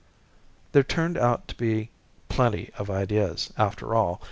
There turned out to be plenty of ideas, after all.